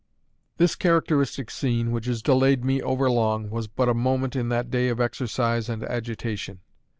This characteristic scene, which has delayed me overlong, was but a moment in that day of exercise and agitation.